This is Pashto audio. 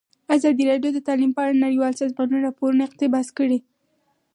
ازادي راډیو د تعلیم په اړه د نړیوالو سازمانونو راپورونه اقتباس کړي.